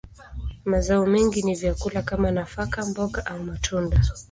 Mazao mengi ni vyakula kama nafaka, mboga, au matunda.